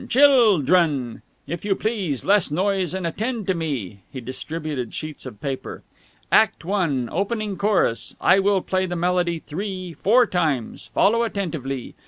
Chil drun! If you please, less noise and attend to me!" He distributed sheets of paper. "Act One, Opening Chorus. I will play the melody three four times. Follow attentively.